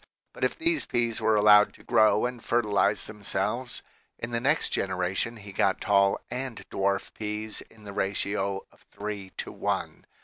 But if these peas were allowed to grow and fertilize themselves, in the next generation he got tall and dwarf peas in the ratio of three to one.